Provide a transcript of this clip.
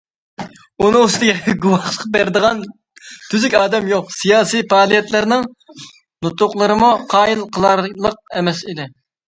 ئۇنىڭ ئۈستىگە گۇۋاھلىق بېرىدىغان تۈزۈك ئادەم يوق، سىياسىي پائالىيەتچىلەرنىڭ نۇتۇقلىرىمۇ قايىل قىلارلىق ئەمەس ئىدى.